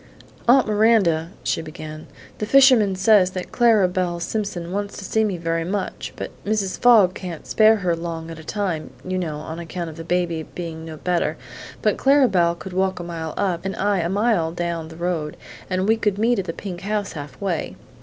"Aunt Miranda," she began, "the fishman says that Clara Belle Simpson wants to see me very much, but Mrs. Fogg can't spare her long at a time, you know, on account of the baby being no better; but Clara Belle could walk a mile up, and I a mile down the road, and we could meet at the pink house half way.